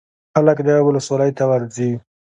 خلک دغې ولسوالۍ ته ورځي.